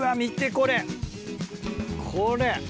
これ！